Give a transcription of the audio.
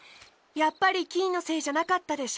やっぱりキイのせいじゃなかったでしょ？